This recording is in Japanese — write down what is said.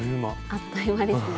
あっという間ですね。